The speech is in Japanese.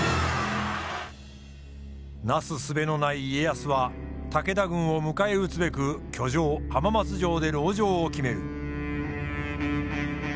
なすすべのない家康は武田軍を迎え撃つべく居城浜松城で籠城を決める。